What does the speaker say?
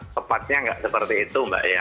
tepatnya nggak seperti itu mbak ya